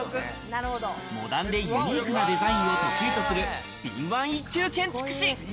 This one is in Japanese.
モダンでユニークなデザインを得意とする敏腕一級建築士。